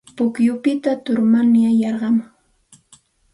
Pukyupita turmanyay yarqumun.